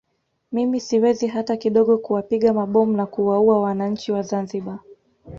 Mimi siwezi hata kidogo kuwapiga mabomu na kuwaua wananchi wa Zanzibar